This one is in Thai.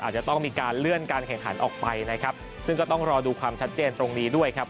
อาจจะต้องมีการเลื่อนการแข่งขันออกไปนะครับซึ่งก็ต้องรอดูความชัดเจนตรงนี้ด้วยครับ